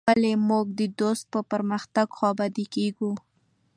ولي موږ د دوست په پرمختګ خوابدي کيږو.